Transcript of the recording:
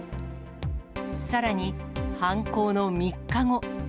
さらに、犯行の３日後。